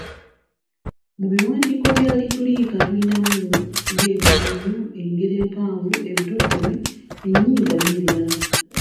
Mu biwandiiko bya litulica tulinamu ng'emizannyo, engero empanvu, ebitontome, ennyimba n'ebirala.